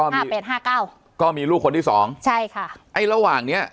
ห้าแปดห้าเก้าก็มีลูกคนที่สองใช่ค่ะไอ้ระหว่างเนี้ย